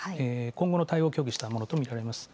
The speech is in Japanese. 今後の対応を協議したものと見られます。